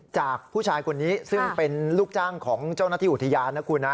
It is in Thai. จากผู้ชายคนนี้ซึ่งเป็นลูกจ้างของเจ้าหน้าที่อุทยานนะคุณนะ